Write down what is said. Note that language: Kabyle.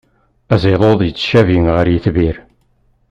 Aziḍud yettcabi ɣer yitbir.